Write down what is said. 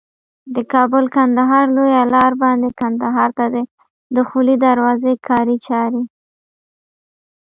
د کابل کندهار لویه لار باندي کندهار ته د دخولي دروازي کاري چاري